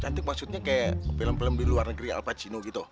cantik maksudnya kayak film film di luar negeri al pacino gitu